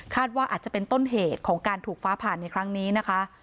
ว่าอาจจะเป็นต้นเหตุของการถูกฟ้าผ่านในครั้งนี้นะคะ